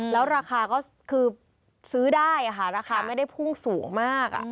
แล้วราคาก็คือซื้อได้ราคาไม่ได้พุ่งสูงมาก